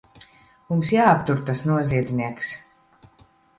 Mums jāaptur tas noziedznieks!